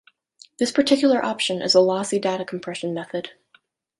This particular option is a lossy data compression method.